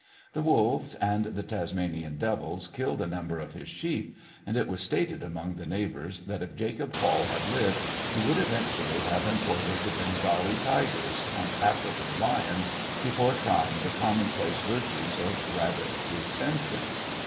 The Wolves and the Tasmanian Devils killed a number of his sheep; and it was stated among the neighbours that if Jacob Hall had lived he would eventually have imported Bengal tigers and African lions before trying the commonplace virtues of rabbit proof fencing.